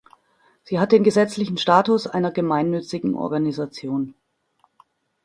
Sie hat den gesetzlichen Status einer gemeinnützigen Organisation.